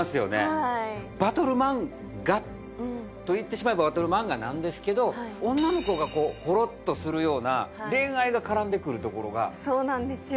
はいバトルマンガと言ってしまえばバトルマンガなんですけど女の子がポロっとするような恋愛が絡んでくるところがそうなんですよ